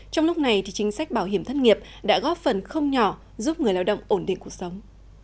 trong lúc này chính sách bảo hiểm thất nghiệp đã góp phần không nhỏ giúp người lao động ổn định cuộc sống